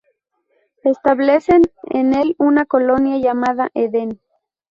Establecen en el una colonia llamada Eden.